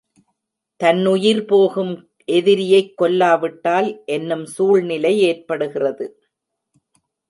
தன்னுயிர் போகும் எதிரியைக் கொல்லாவிட்டால் என்னும் சூழ்நிலை ஏற்படுகிறது.